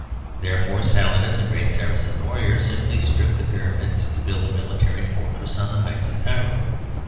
Therefore Saladin, the great Saracen warrior, simply stripped the Pyramids to build a military fortress on the heights of Cairo.